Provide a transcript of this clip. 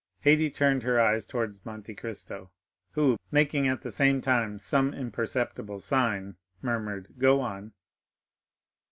Haydée turned her eyes towards Monte Cristo, who, making at the same time some imperceptible sign, murmured: "Εἰπέ—speak."